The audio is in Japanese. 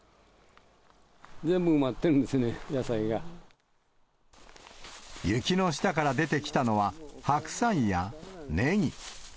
全部埋まってるんですね、雪の下から出てきたのは、白菜やネギ。